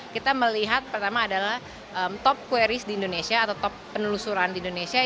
kita melihat pertama adalah top quaries di indonesia atau top penelusuran di indonesia